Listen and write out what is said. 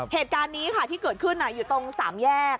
เหตุการณ์นี้ค่ะที่เกิดขึ้นอยู่ตรง๓แยก